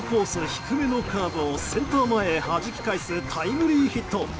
低めのカーブをセンター前へはじき返すタイムリーヒット。